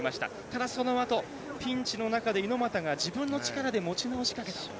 ただ、そのあとピンチの中で猪俣が自分の力で持ち直しかけた。